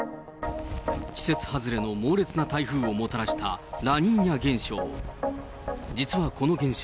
季節外れの猛烈な台風をもたらしたラニーニャ現象。